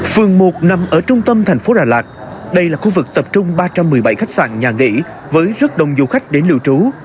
phường một nằm ở trung tâm thành phố đà lạt đây là khu vực tập trung ba trăm một mươi bảy khách sạn nhà nghỉ với rất đông du khách đến lưu trú